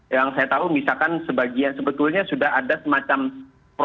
yang saya tahu misalkan sebagian sebetulnya sudah ada semacam promo di beberapa daerah